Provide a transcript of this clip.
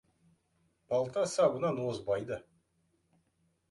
Балта сабынан озбайды.